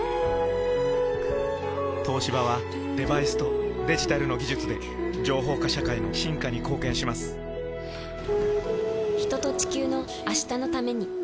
東芝はデバイスとデジタルの技術で情報化社会の進化に貢献します人と、地球の、明日のために。